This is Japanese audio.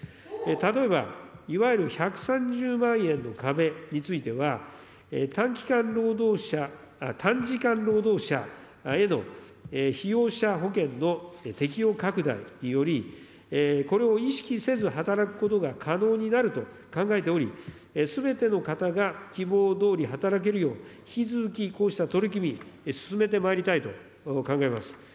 例えばいわゆる１３０万円の壁については、短期間労働者、短時間労働者への被用者保険の適用拡大により、これを意識せず働くことが可能になると考えており、すべての方が希望どおり働けるよう、引き続きこうした取り組み、進めてまいりたいと考えます。